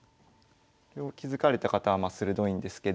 これを気付かれた方はまあ鋭いんですけど。